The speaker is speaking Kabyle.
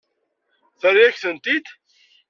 Terra-yak-ten-id.